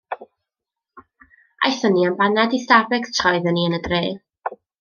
Aethon ni am baned i Starbucks tra oedden ni yn y dre.